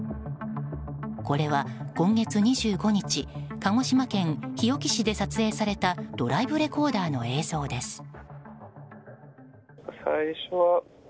これは、今月２５日鹿児島県日置市で撮影されたドライブレコーダーの映像です。